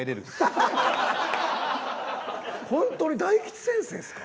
ホントに大吉先生ですか？